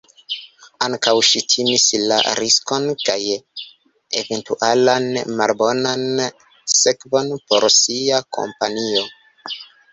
Ankaŭ ŝi timis la riskon kaj eventualan malbonan sekvon por sia kompanio.